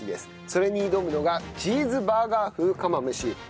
それに挑むのがチーズバーガー風釜飯。